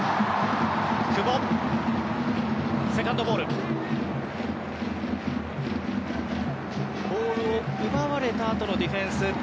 ボールを奪われたあとのディフェンス。